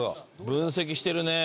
分析してるね。